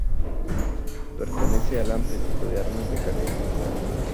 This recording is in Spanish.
Pertenece al amplio tipo de armas de cadena.